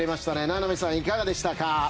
名波さん、いかがでしたか？